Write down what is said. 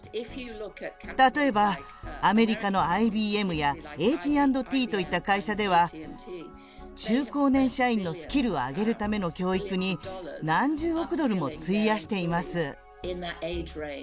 例えば、アメリカのＩＢＭやＡＴ＆Ｔといった会社では中高年社員のスキルを上げるための教育に何十億ドルも費やしています。